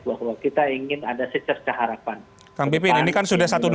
bahwa kita ingin ada secepat seharapan